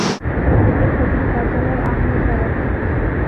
এটির প্রধান কার্যালয় আহমেদাবাদে।